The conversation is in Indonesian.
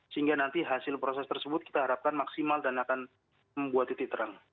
sehingga nanti hasil proses tersebut kita harapkan maksimal dan akan membuat titik terang